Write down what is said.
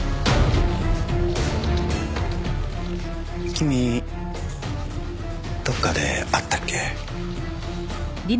君どこかで会ったっけ？